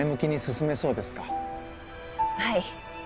はい。